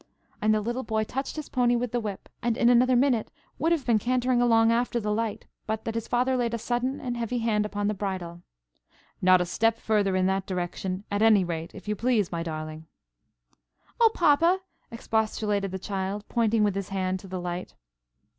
And the little boy touched his pony with a whip, and in another minute would have been cantering along after the light, but that his Father laid a sudden and a heavy hand upon the bridle. "Not a step further in that direction, at any rate, if you please, my darling." "Oh, papa!" expostulated the child, pointing with his hand to the light.